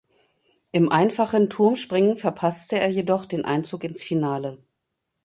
Im einfachen Turmspringen verpasste er jedoch den Einzug ins Finale.